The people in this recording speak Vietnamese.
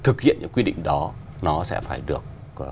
thực hiện những quy định đó nó sẽ phải được